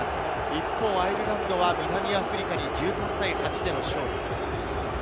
一方のアイルランドは南アフリカに１３対８で勝利。